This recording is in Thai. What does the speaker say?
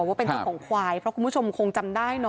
ว่าเป็นเจ้าของควายเพราะคุณผู้ชมคงจำได้เนอ